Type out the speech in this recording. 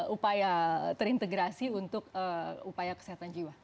upaya terintegrasi untuk upaya kesehatan jiwa